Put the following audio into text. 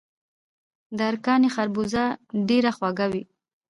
د ارکاني خربوزه ډیره خوږه وي.